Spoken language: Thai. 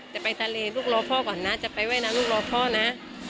จะไปทะเลลูกรอพ่อก่อนนะจะไปว่ายน้ำลูกรอพ่อนะ